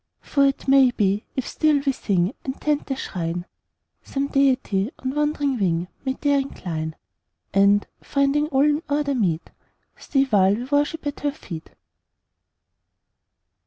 "For it may be, if still we sing And tend the Shrine, Some Deity on wandering wing May there incline; And, finding all in order meet, Stay while we worship at Her feet."